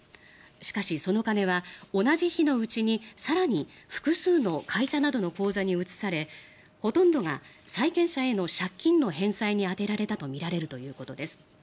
しかし、その金は同じ日のうちに更に複数の会社などの口座に移されほとんどが債権者への借金の返済に充てられたとみられるということです。